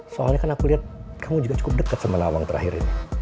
soalnya kan aku lihat kamu juga cukup dekat sama nawang terakhir ini